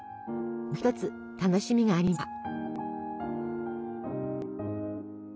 もう一つ楽しみがありました。